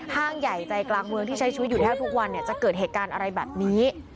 ห้างใหญ่ใจกลางเมืองที่ใช้ชีวิตอยู่แทบทุกวันจะเกิดเหตุการณ์อะไรแบบนี้